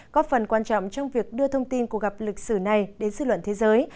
có phần quan trọng trong việc đưa thông tin của gặp lịch sử này đến dư luận thế giới